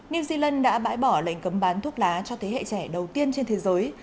new zealand đã bãi bỏ lệnh cấm bán thuốc lá cho thế hệ trẻ đầu tiên trên thế giới